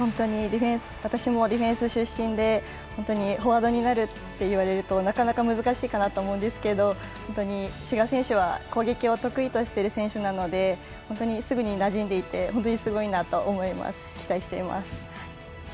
私もディフェンス出身で本当にフォワードになるって言われるとなかなか難しいかなと思うんですけど本当に志賀選手は攻撃を得意としている選手なのですぐになじんでいってすごいなと思っています。